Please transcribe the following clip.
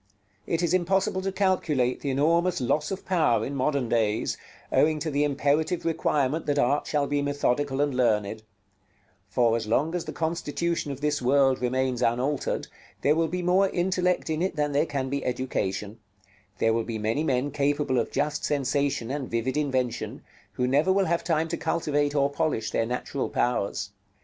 It is impossible to calculate the enormous loss of power in modern days, owing to the imperative requirement that art shall be methodical and learned: for as long as the constitution of this world remains unaltered, there will be more intellect in it than there can be education; there will be many men capable of just sensation and vivid invention, who never will have time to cultivate or polish their natural powers.